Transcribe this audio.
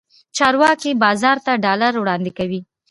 چارواکي بازار ته ډالر وړاندې کوي.